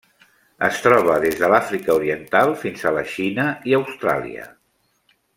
Es troba des de l'Àfrica Oriental fins a la Xina i Austràlia.